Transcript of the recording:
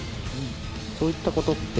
そういったことって。